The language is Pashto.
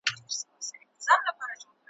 د سیتار تارونه پرې دي د رباب لړمون ختلی `